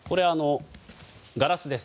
ガラスです。